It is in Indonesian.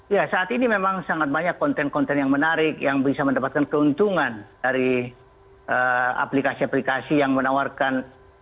ya saat ini memang sangat banyak konten konten yang menarik yang bisa mendapatkan keuntungan dari aplikasi aplikasi yang menawarkan